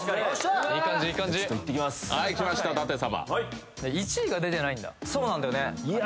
舘様そうなんだよね